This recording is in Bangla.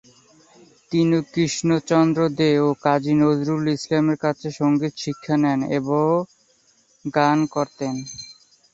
তিনি কৃষ্ণচন্দ্র দে ও কাজী নজরুল ইসলামের কাছে সঙ্গীত শিক্ষা নেন ও গান করতেন।